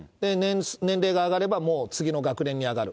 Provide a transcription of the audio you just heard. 年齢が上がれば、もう次の学年に上がる。